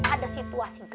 aduh serap hidungnya